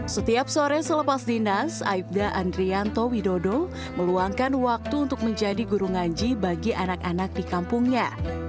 setiap sore selepas dinas aibda andrianto widodo meluangkan waktu untuk menjadi guru ngaji bagi anak anak di kampungnya